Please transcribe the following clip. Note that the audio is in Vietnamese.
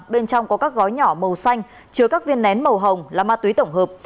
bên trong có các gói nhỏ màu xanh chứa các viên nén màu hồng là ma túy tổng hợp